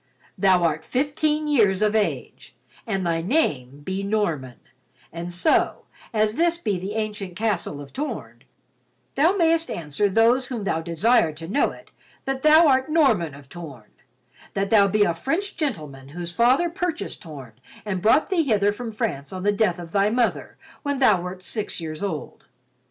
Thou art fifteen years of age, and thy name be Norman, and so, as this be the ancient castle of Torn, thou mayst answer those whom thou desire to know it that thou art Norman of Torn; that thou be a French gentleman whose father purchased Torn and brought thee hither from France on the death of thy mother, when thou wert six years old.